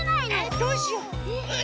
どうしよう？うっ！